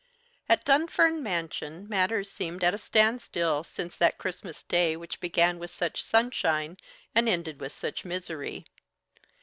At Dunfern Mansion matters seemed at a standstill, since that Christmas Day which began with such sunshine and ended with such misery.